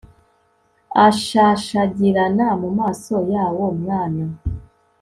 ashashagirana mu maso yawo mwana